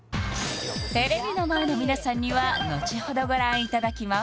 テレビの前の皆さんにはのちほどご覧いただきます